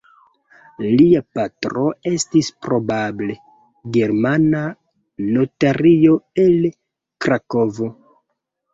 Lia patro estis probable germana notario el Krakovo.